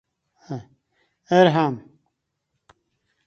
ارحم